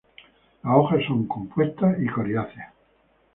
Las hojas son compuestas y coriáceas.